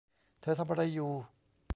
เธอทำอะไรอยู่